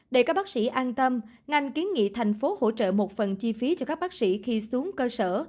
để các bác sĩ an tâm ngành kiến nghị thành phố hỗ trợ một phần chi phí cho các bác sĩ khi xuống cơ sở